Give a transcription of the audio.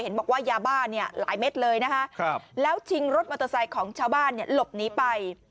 บอกว่ายาบ้าเนี่ยหลายเม็ดเลยนะคะแล้วชิงรถมอเตอร์ไซค์ของชาวบ้านเนี่ยหลบหนีไป